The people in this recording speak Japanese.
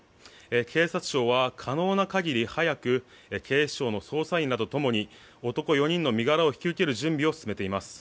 警察庁は可能な限り早く警視庁の捜査員らと共に男４人の身柄を引き受ける準備を進めています。